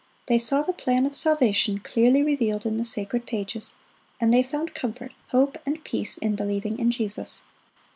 They saw the plan of salvation clearly revealed in the sacred pages, and they found comfort, hope, and peace in believing in Jesus.